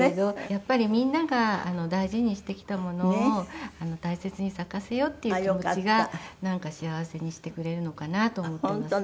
やっぱりみんなが大事にしてきたものを大切に咲かせようっていう気持ちがなんか幸せにしてくれるのかなと思っています。